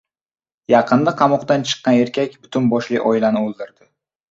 Yaqinda qamoqdan chiqqan erkak butun boshli oilani o‘ldirdi